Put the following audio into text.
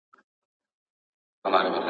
خلګ د خپلو ګټو لپاره اړیکي ساتي.